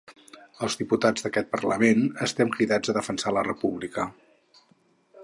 Els diputats d’aquest parlament estem cridats a defensar la república.